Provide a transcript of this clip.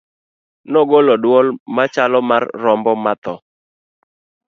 nogolo dwol machalo mar rombo ma tho